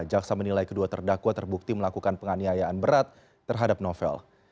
jaksa menilai kedua terdakwa terbukti melakukan penganiayaan berat terhadap novel